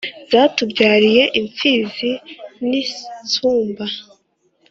zatubyariye imfizi n’insumba